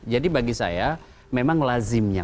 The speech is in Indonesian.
jadi bagi saya memang lazimnya